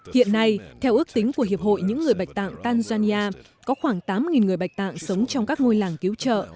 hiện nay theo ước tính của hiệp hội những người bạch tạng tanzania có khoảng tám người bạch tạng sống trong các ngôi làng cứu trợ